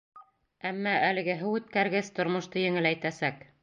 Әммә әлеге һыу үткәргес тормошто еңеләйтәсәк.